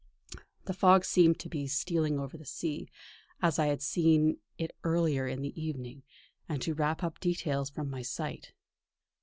The fog seemed to be stealing over the sea, as I had seen it earlier in the evening, and to wrap up details from my sight.